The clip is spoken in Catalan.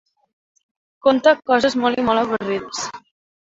Conta coses molt i molt avorrides.